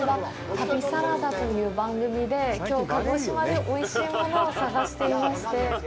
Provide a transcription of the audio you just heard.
旅サラダという番組できょう鹿児島でおいしいものを探していまして。